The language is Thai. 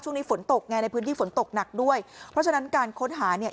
ช่วงนี้ฝนตกไงในพื้นที่ฝนตกหนักด้วยเพราะฉะนั้นการค้นหาเนี่ย